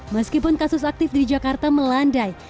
meskipun kasus aktif di jakarta melandai